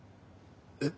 えっ？